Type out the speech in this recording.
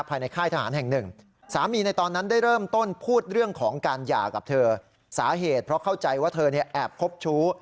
ค่ายทหารแห่งหนึ่งสามีในตอนนั้นได้เริ่มต้นพูดเรื่องของการหย่ากับเธอสาเหตุเพราะเข้าใจว่าเธอเนี่ยแอบคบชู้